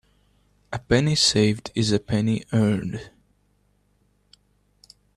A penny saved is a penny earned.